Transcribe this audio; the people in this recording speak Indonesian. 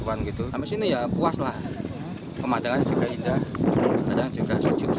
ada karya ancaman dua jadwal nothing